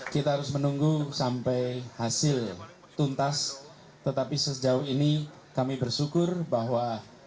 kita harus menunggu sampai hasil tuntas tetapi sejauh ini kami bersyukur bahwa